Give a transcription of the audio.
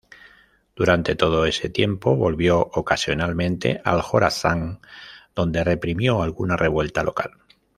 Durante todo ese tiempo volvió ocasionalmente al Jorasán donde reprimió alguna revuelta local.